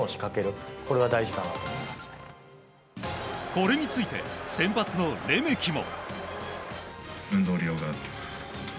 これについて先発のレメキも。